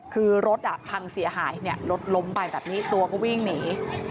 คือรถพังเสียหายรถล้มไปแบบนี้ตัวก็วิ่งหนี